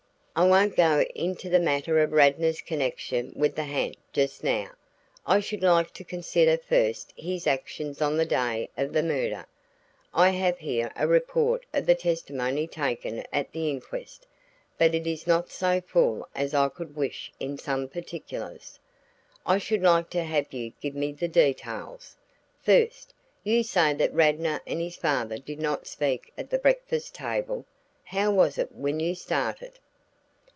"I won't go into the matter of Radnor's connection with the ha'nt just now; I should like to consider first his actions on the day of the murder. I have here a report of the testimony taken at the inquest, but it is not so full as I could wish in some particulars. I should like to have you give me the details. First, you say that Radnor and his father did not speak at the breakfast table? How was it when you started?"